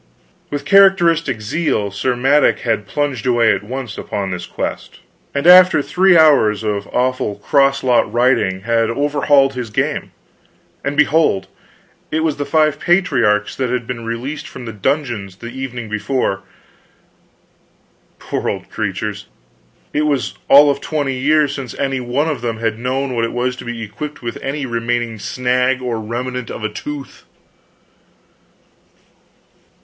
With characteristic zeal Sir Madok had plunged away at once upon this quest, and after three hours of awful crosslot riding had overhauled his game. And behold, it was the five patriarchs that had been released from the dungeons the evening before! Poor old creatures, it was all of twenty years since any one of them had known what it was to be equipped with any remaining snag or remnant of a tooth.